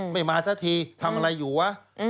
ไม่มาสักทีทำอะไรอยู่วะ